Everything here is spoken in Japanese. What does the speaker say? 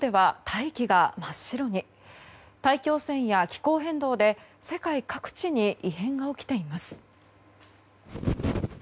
大気汚染や気候変動で世界各地に異変が起きています。